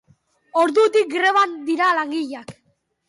Ordutik, greban dira langileak.